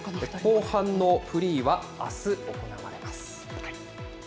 後半のフリーは、あす行われます。